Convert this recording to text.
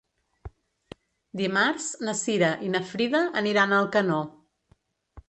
Dimarts na Cira i na Frida aniran a Alcanó.